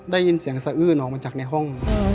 ได้ยินเสียงสะอื้นออกมาจากในห้อง